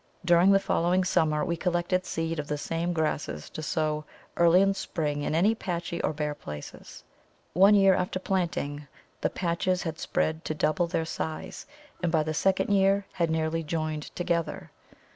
During the following summer we collected seed of the same grasses to sow early in spring in any patchy or bare places. One year after planting the patches had spread to double their size, and by the second year had nearly joined together.